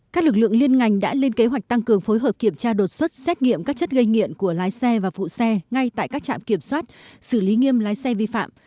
các lực lượng liên ngành đã lên kế hoạch tăng cường phối hợp kiểm tra đột xuất xét nghiệm các chất gây nghiện của lái xe và phụ xe ngay tại các trạm kiểm soát xử lý nghiêm lái xe vi phạm